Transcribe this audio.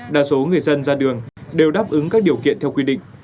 đa số người dân ra đường đều đáp ứng các điều kiện theo quy định